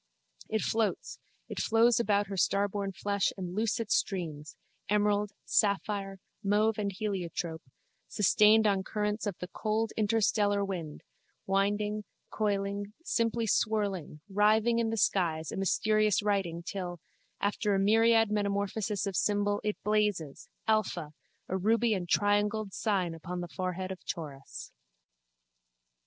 It floats, it flows about her starborn flesh and loose it streams, emerald, sapphire, mauve and heliotrope, sustained on currents of the cold interstellar wind, winding, coiling, simply swirling, writhing in the skies a mysterious writing till, after a myriad metamorphoses of symbol, it blazes, Alpha, a ruby and triangled sign upon the forehead of Taurus.